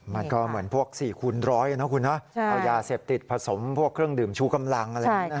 มันก็เหมือนพวก๔คูณร้อยนะคุณฮะเอายาเสพติดผสมพวกเครื่องดื่มชู้กำลัง